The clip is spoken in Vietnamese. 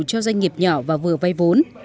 cho doanh nghiệp nhỏ và vừa vay vốn